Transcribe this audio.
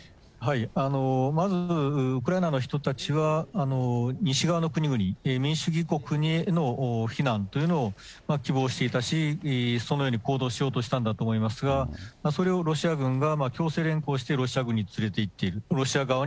まず、ウクライナ人たちは、西側の国々、民主主義国への避難というのを希望していたし、そのように行動しようとしたんだと思いますが、それをロシア軍が強制連行して、ロシア側に連れていっている。